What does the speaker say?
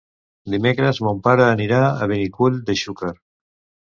Dimecres mon pare anirà a Benicull de Xúquer.